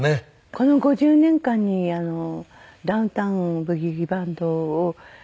この５０年間にダウン・タウン・ブギウギ・バンドがスタートに。